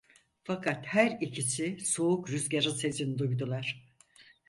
Fakat her İkisi soğuk rüzgarın sesini duydular.